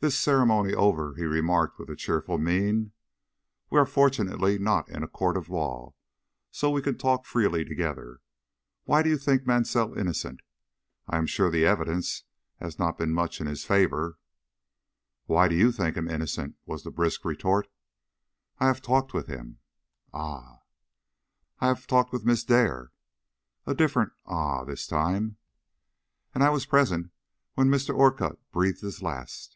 This ceremony over, he remarked, with a cheerful mien: "We are fortunately not in a court of law, and so can talk freely together. Why do you think Mansell innocent? I am sure the evidence has not been much in his favor." "Why do you think him innocent?" was the brisk retort. "I have talked with him." "Ah!" "I have talked with Miss Dare." A different "Ah!" this time. "And I was present when Mr. Orcutt breathed his last."